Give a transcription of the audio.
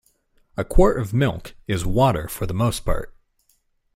A quart of milk is water for the most part.